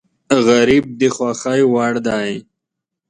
غریب د خوښۍ وړ دی